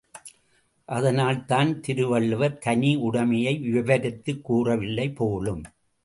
அதனால்தான் திருவள்ளுவர் தனி உடைமையை விவரித்துக் கூறவில்லை போலும்!